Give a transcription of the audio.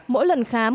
mỗi lần khám